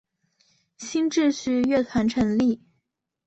新秩序乐团成立。